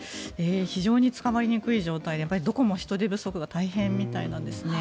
非常につかまりにくい状態でどこも人手不足が大変みたいなんですね。